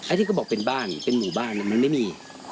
ที่เขาบอกเป็นบ้านเป็นหมู่บ้านมันไม่มี